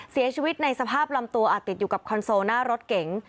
เสียชีวิตในสภาพลำตัวอาจติดอยู่กับคอนโซลหน้ารถเก๋ง